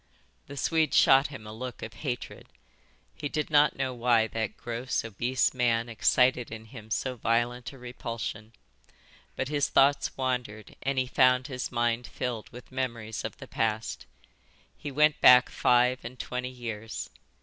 The Swede shot him a look of hatred. He did not know why that gross, obese man excited in him so violent a repulsion. But his thoughts wandered and he found his mind filled with memories of the past. He went back five and twenty years.